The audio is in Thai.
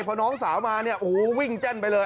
พอน้องสาวมาเนี่ยโอ้โหวิ่งแจ้นไปเลย